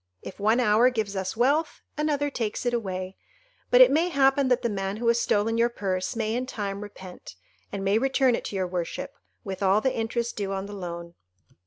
If one hour gives us wealth, another takes it away; but it may happen that the man who has stolen your purse may in time repent, and may return it to your worship, with all the interest due on the loan."